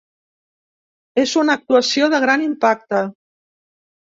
És una actuació de gran impacte.